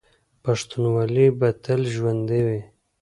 پښتونولي به تل ژوندي وي.